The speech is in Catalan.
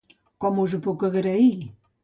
Com us ho puc agrair?